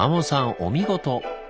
お見事！